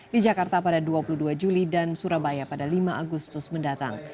di jakarta pada dua puluh dua juli dan surabaya pada lima agustus mendatang